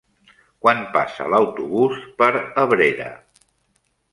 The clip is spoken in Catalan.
Quan passa l'autobús per Abrera?